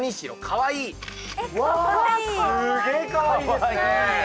かわいいね。